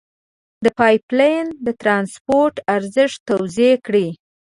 د پایپ لین د ترانسپورت ارزښت توضیع کړئ.